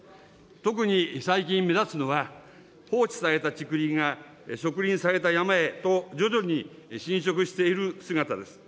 特に最近目立つのは、放置された竹林が植林された山へと徐々に侵食している姿です。